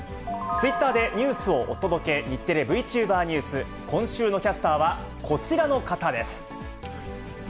ツイッターでニュースをお届け、日テレＶチューバーニュース、今週のキャスターは、こちらの方です。